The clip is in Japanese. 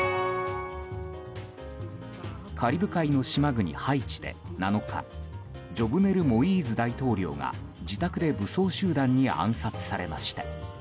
カリブ海の島国ハイチで、７日ジョブネル・モイーズ大統領が自宅で武装集団に暗殺されました。